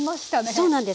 そうなんです。